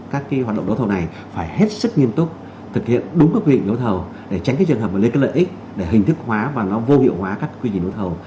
các cái hoạt động đấu thầu này phải hết sức nghiêm túc thực hiện đúng các quy định đấu thầu để tránh cái trường hợp mà lấy cái lợi ích để hình thức hóa và nó vô hiệu hóa các quy trình đấu thầu